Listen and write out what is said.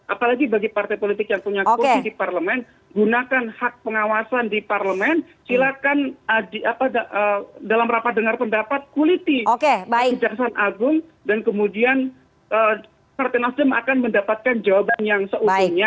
apalagi bagi partai politik yang punya kursi di parlemen gunakan hak pengawasan di parlemen silakan dalam rapat dengar pendapat kuliti kejaksaan agung dan kemudian partai nasdem akan mendapatkan jawaban yang seujungnya